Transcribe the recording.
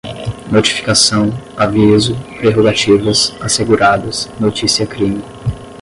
notificação, aviso, prerrogativas, asseguradas, notícia-crime